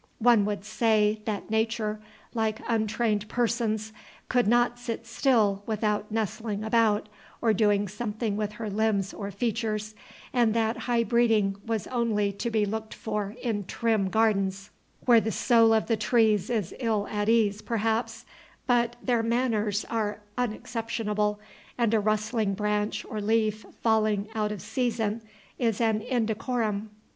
One would say, that Nature, like untrained persons, could not sit still without nestling about or doing something with her limbs or features, and that high breeding was only to be looked for in trim gardens, where the soul of the trees is ill at ease perhaps, but their manners are unexceptionable, and a rustling branch or leaf falling out of season is an indecorum.